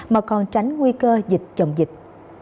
mà còn tránh nguy cơ dịch chồng dịch